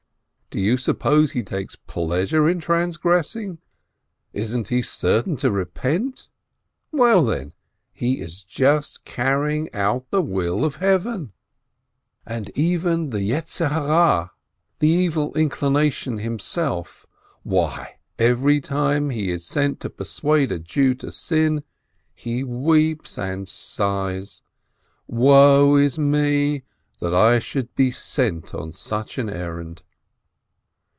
Do you suppose he takes pleasure in transgressing? Isn't he certain to repent? Well, then? He is just carrying out the will of Heaven. And the Evil Inclination himself ! Why, every time he is sent to persuade a Jew to sin, he weeps and sighs : Woe is me, that I should be sent on such an errand